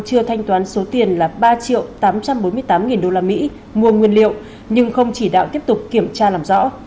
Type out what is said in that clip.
chưa thanh toán số tiền là ba triệu tám trăm bốn mươi tám nghìn usd mua nguyên liệu nhưng không chỉ đạo tiếp tục kiểm tra làm rõ